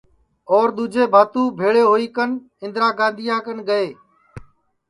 اور دؔوجے بھاتو بھیݪے ہوئی کن اِندرا گاندھیا کن گئے